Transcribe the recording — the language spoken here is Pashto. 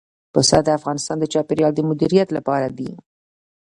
پسه د افغانستان د چاپیریال د مدیریت لپاره دي.